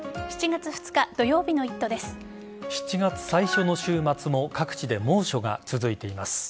７月最初の週末も各地で猛暑が続いています。